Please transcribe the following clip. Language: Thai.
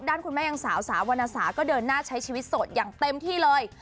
คุณแม่ยังสาวสาววรรณสาก็เดินหน้าใช้ชีวิตโสดอย่างเต็มที่เลย